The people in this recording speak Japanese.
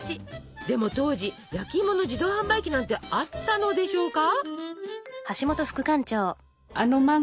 でも当時焼きいもの自動販売機なんてあったのでしょうか？